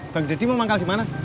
bang deddy mau manggal di mana